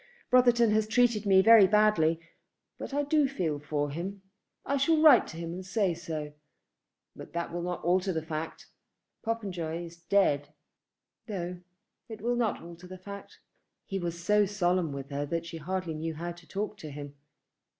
Brotherton has treated me very badly, but I do feel for him. I shall write to him and say so. But that will not alter the fact. Popenjoy is dead." "No; it will not alter the fact." He was so solemn with her that she hardly knew how to talk to him.